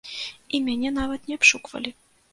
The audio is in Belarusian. І мяне нават не абшуквалі.